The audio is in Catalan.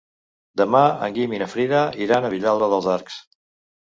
Demà en Guim i na Frida iran a Vilalba dels Arcs.